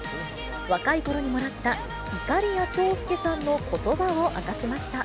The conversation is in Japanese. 若いころにもらったいかりや長介さんのことばを明かしました。